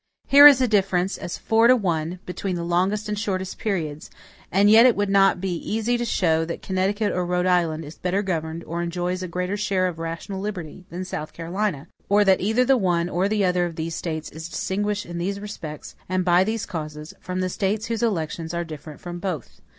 Here is a difference, as four to one, between the longest and shortest periods; and yet it would be not easy to show, that Connecticut or Rhode Island is better governed, or enjoys a greater share of rational liberty, than South Carolina; or that either the one or the other of these States is distinguished in these respects, and by these causes, from the States whose elections are different from both.